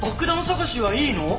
探しはいいの？